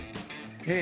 ええ。